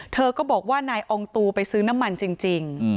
เธอก็บอกว่านายอองตูไปซื้อน้ำมันจริง